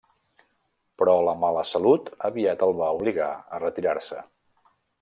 Però la mala salut aviat el va obligar a retirar-se.